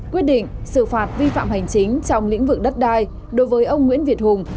quyết định xử phạt vi phạm hành chính trong lĩnh vực đất đai đối với ông nguyễn việt hùng